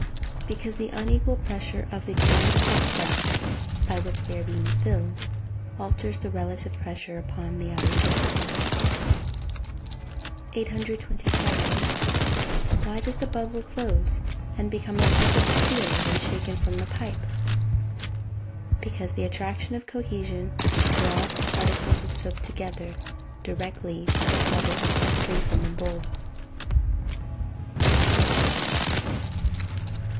_ Because the unequal pressure of the current of breath by which they are being filled, alters the relative pressure upon the outer surfaces. 827. Why does the bubble close, and become a perfect sphere, when shaken from the pipe? Because the attraction of cohesion draws the particles of soap together, directly the bubble is set free from the bowl.